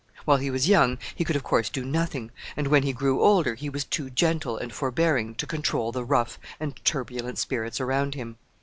While he was young, he could, of course, do nothing, and when he grew older he was too gentle and forbearing to control the rough and turbulent spirits around him.